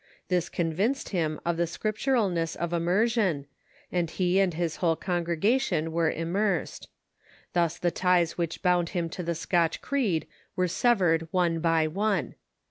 This convinced him of the Scripturalness of immersion, and he and his whole congre gation were immersed. Thus the ties which bound him to the Scotch creed were severed one by one.